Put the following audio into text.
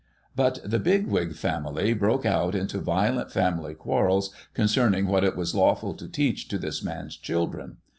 But, the Bigwig family broke out into violent family quarrels concerning what it was lawful to teach to this man's children.